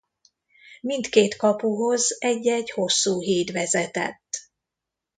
Mindkét kapuhoz egy-egy hosszú híd vezetett.